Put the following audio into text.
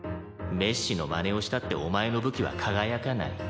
メッシのマネをしたってお前の武器は輝かない。